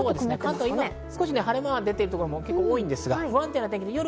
関東は今、晴れ間が出ているところも結構多いんですが、不安定な天気。